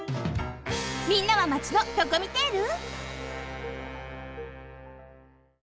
みんなはマチのドコミテール？